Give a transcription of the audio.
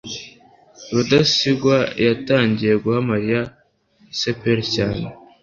rudasingwa yatangiye guha mariya cpr cyane